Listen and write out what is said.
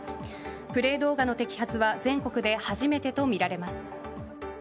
プレー動画の摘発は全国で初めてとみられます。